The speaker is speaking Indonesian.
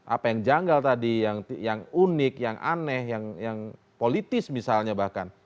apa yang janggal tadi yang unik yang aneh yang politis misalnya bahkan